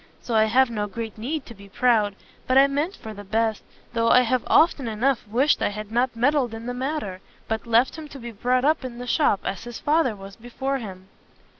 So I have no great need to be proud. But I meant for the best, though I have often enough wished I had not meddled in the matter, but left him to be brought up in the shop, as his father was before him."